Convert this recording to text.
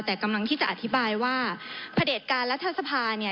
แต่กำลังที่จะอธิบายว่าพระเด็จการรัฐสภาเนี่ย